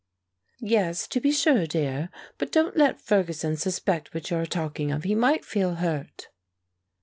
"Yes, to be sure, dear; but don't let Ferguson suspect what you are talking of; he might feel hurt."